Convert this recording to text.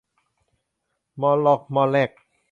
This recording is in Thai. ม่อล่อกม่อแล่ก